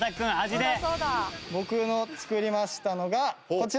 僕の作りましたのがこちら！